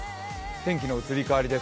天気の移り変わりです。